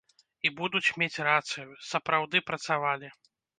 І будуць мець рацыю, сапраўды працавалі.